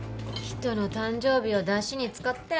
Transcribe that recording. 人の誕生日をだしに使って。